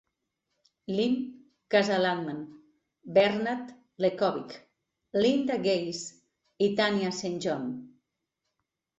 Lynn Casa Latham, Bernard Lechowick, Linda Gase i Thania Saint John.